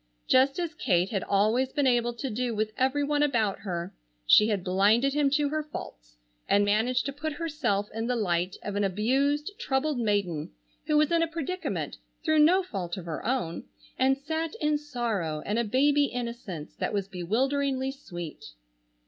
Just as Kate had always been able to do with every one about her, she had blinded him to her faults, and managed to put herself in the light of an abused, troubled maiden, who was in a predicament through no fault of her own, and sat in sorrow and a baby innocence that was bewilderingly sweet.